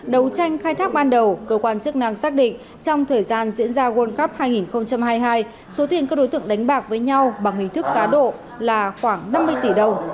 đấu tranh khai thác ban đầu cơ quan chức năng xác định trong thời gian diễn ra world cup hai nghìn hai mươi hai số tiền các đối tượng đánh bạc với nhau bằng hình thức cá độ là khoảng năm mươi tỷ đồng